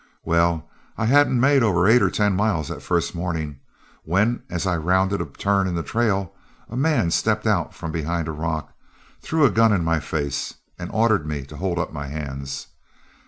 Well, I hadn't made over eight or ten miles the first morning, when, as I rounded a turn in the trail, a man stepped out from behind a rock, threw a gun in my face, and ordered me to hold up my hands.